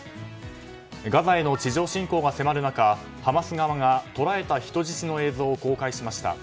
ガザへの地上侵攻が迫る中ハマス側がとらえた人質の映像を公開しました。